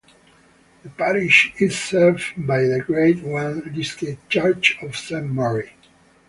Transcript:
The parish is served by the Grade One listed 'Church of Saint Mary'.